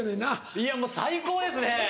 いやもう最高ですね！